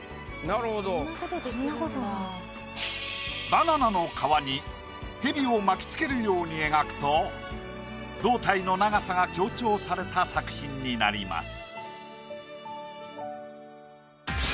バナナの皮にヘビを巻きつけるように描くと胴体の長さが強調された作品になります。